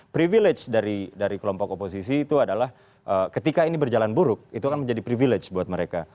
privilege dari kelompok oposisi itu adalah ketika ini berjalan buruk itu akan menjadi privilege buat mereka